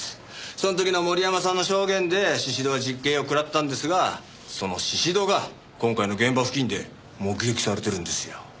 その時の森山さんの証言で宍戸は実刑を食らったんですがその宍戸が今回の現場付近で目撃されているんですよ。